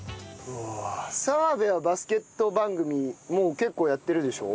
澤部はバスケット番組もう結構やってるでしょ？